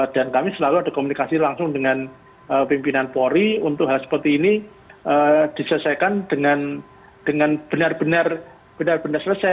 dan kami selalu ada komunikasi langsung dengan pimpinan polri untuk hal seperti ini diselesaikan dengan benar benar selesai